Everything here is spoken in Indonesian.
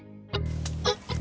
keh gini ya